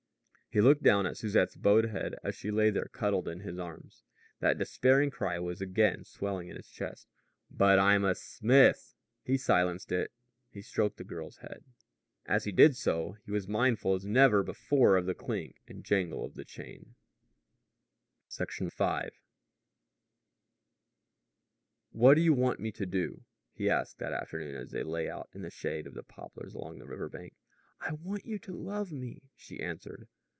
He looked down at Susette's bowed head as she lay there cuddled in his arms. That despairing cry was again swelling in his chest: "But I'm a smith." He silenced it. He stroked the girl's head. As he did so, he was mindful as never before of the clink and jangle of the chain. V. "What do you want me to do?" he asked that afternoon as they lay out in the shade of the poplars along the river bank. "I want you to love me," she answered.